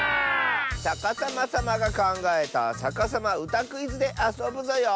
さかさまさまがかんがえた「さかさまうたクイズ」であそぶぞよ！